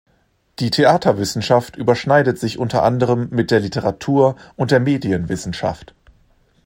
Die Theaterwissenschaft überschneidet sich unter anderem mit der Literatur- und der Medienwissenschaft.